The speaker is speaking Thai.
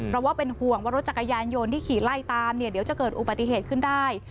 เพราะว่าเป็นห่วงว่ารถจักรยานยนต์ที่ขี่ไล่ตามเนี่ยเดี๋ยวจะเกิดอุบัติเหตุขึ้นได้